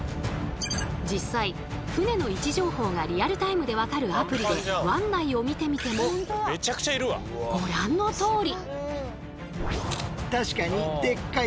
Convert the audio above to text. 実際船の位置情報がリアルタイムで分かるアプリで湾内を見てみてもご覧のとおり！